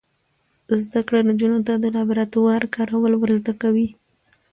زده کړه نجونو ته د لابراتوار کارول ور زده کوي.